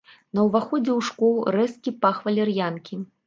На ўваходзе ў школу рэзкі пах валяр'янкі.